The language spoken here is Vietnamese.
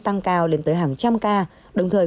tăng cao lên tới hàng trăm ca đồng thời